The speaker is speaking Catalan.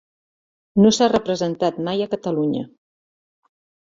No s'ha representat mai a Catalunya.